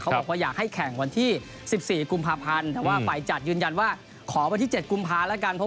บอกว่าอยากให้แข่งวันที่๑๔กุมภาพันธ์แต่ว่าฝ่ายจัดยืนยันว่าขอวันที่๗กุมภาแล้วกัน